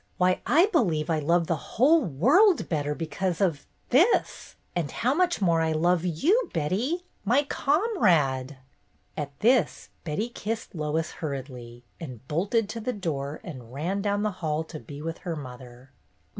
Why, I believe I love the whole world better because — of — this — and how much more I must love you, Betty, my comrade 1 " At this Betty kissed Lois hurriedly and bolted to the door and ran down the hall to be with her mother.